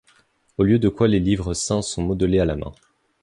Au lieu de quoi les Livres Saints sont modelés à la Main.